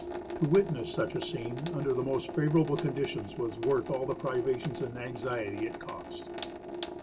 To witness such a scene under the most favorable conditions was worth all the privations and anxiety it cost.